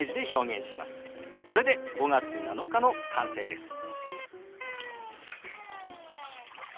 これで「５月７日」の完成です。